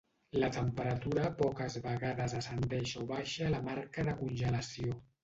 La temperatura poques vegades ascendeix o baixa a la marca de congelació.